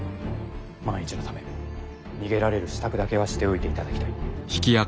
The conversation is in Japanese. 万一のため逃げられる支度だけはしておいていただきたい。